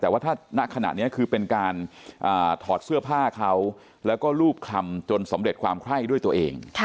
แต่ว่าถ้าณขณะนี้คือเป็นการถอดเสื้อผ้าเขาแล้วก็รูปคลำจนสำเร็จความไข้ด้วยตัวเอง